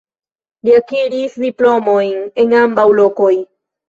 Li akiris diplomojn en ambaŭ lokoj.